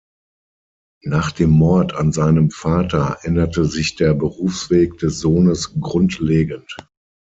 Nach dem Mord an seinem Vater änderte sich der Berufsweg des Sohnes grundlegend.